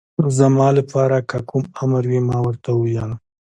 زما لپاره که کوم امر وي، ما ورته وویل.